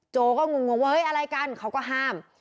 โจก็งงเฮ้ยอะไรกันเขาก็ห้าม